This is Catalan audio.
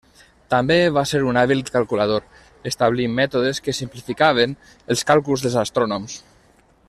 També va ser un hàbil calculador, establint mètodes que simplificaven els càlculs dels astrònoms.